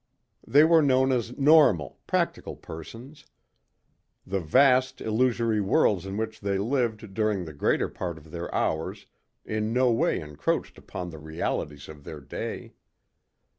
They were known as normal, practical persons. The vast, illusory worlds in which they lived during the greater part of their hours in no way encroached upon the realities of their day.